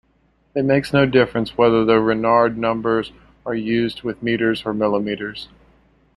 It makes no difference whether the Renard numbers are used with metres or millimetres.